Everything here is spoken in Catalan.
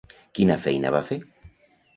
Quina feina va fer?